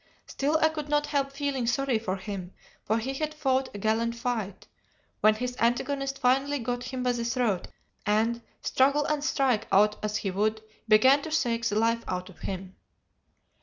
Still I could not help feeling sorry for him, for he had fought a gallant fight, when his antagonist finally got him by the throat, and, struggle and strike out as he would, began to shake the life out of him.